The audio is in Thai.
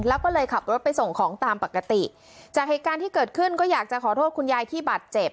แล้วก็เลยขับรถไปส่งของตามปกติจากเหตุการณ์ที่เกิดขึ้นก็อยากจะขอโทษคุณยายที่บาดเจ็บ